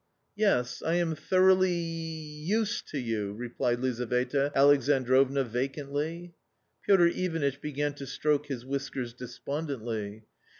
"Yes, I am thoroughly .... used to you," replied Lizaveta Alexandrovna vacantly. Piotr Ivanitch began to stroke his whiskers despon dently.